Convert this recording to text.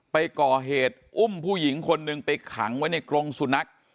ไปก่อเหตุอุ้มผู้หญิงคนหนึ่งไปขังไว้ในกรงสุนัข